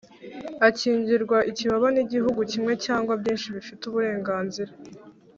akingirwa ikibaba n'igihugu kimwe cyangwa byinshi bifite uburenganzira